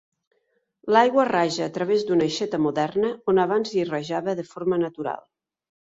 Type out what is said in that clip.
L'aigua raja a través d'una aixeta moderna on abans hi rajava de forma natural.